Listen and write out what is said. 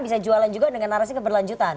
bisa jualan juga dengan narasi keberlanjutan